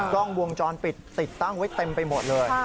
กล้องวงจรปิดติดตั้งไว้เต็มไปหมดเลย